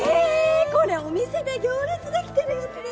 これお店で行列できてるやつですよ。